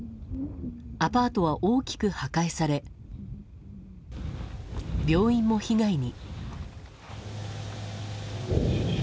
アパートは大きく破壊され病院も被害に。